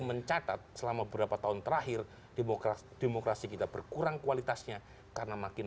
mencatat selama beberapa tahun terakhir demokrasi demokrasi kita berkurang kualitasnya karena makin